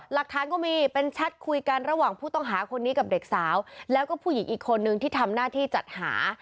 หลักฐานก็มีเป็นแชทคุยกันระหว่างผู้ต้องหาคนนี้กับเด็กสาวแล้วก็ผู้หญิงอีกคนนึงที่ทำหน้าที่จัดหา